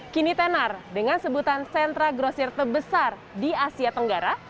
kini tenar dengan sebutan sentra grosir terbesar di asia tenggara